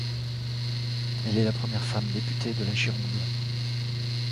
Elle est la première femme député de la Gironde.